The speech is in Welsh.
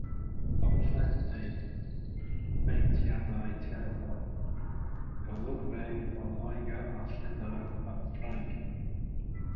Ymhlith ei beintiadau tirwedd - golygfeydd o Loegr a Llydaw yn Ffrainc.